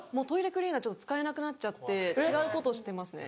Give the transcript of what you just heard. クリーナー使えなくなっちゃって違うことをしてますね。